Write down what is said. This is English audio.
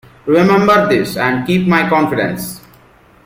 Remember this, and keep my confidence.